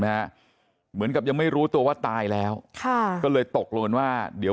ไหมฮะเหมือนกับยังไม่รู้ตัวว่าตายแล้วก็เลยตกลงว่าเดี๋ยว